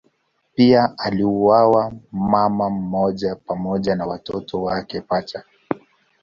Pia aliuawa mama mmoja pamoja na watoto wake pacha.